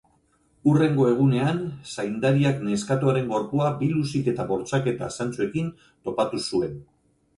Hurrengo egunean, zaindariak neskatoaren gorpua biluzik eta bortxaketa zantzuekin topatu zuen.